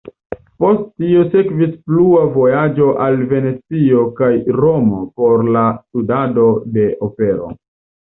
Post tio sekvis plua vojaĝo al Venecio kaj Romo por la studado de opero.